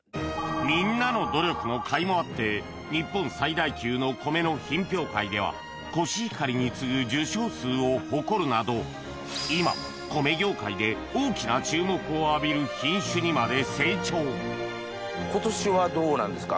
みんなの努力のかいもあって日本最大級の米の品評会ではコシヒカリに次ぐ受賞数を誇るなど今米業界で大きな注目を浴びる品種にまで成長今年はどうなんですか？